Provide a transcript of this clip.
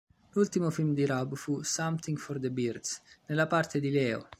L'ultimo film di Rub fu "Something for the Birds" nella parte di "Leo".